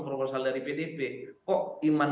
proposal dari pdp kok iman